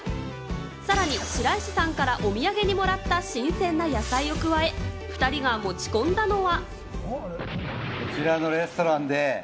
さらに白石さんからお土産にもらった新鮮な野菜を加え、２人が持ち込んだのが。